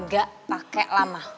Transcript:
gak pake lama